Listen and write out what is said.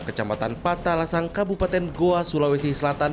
kecamatan patalasang kabupaten goa sulawesi selatan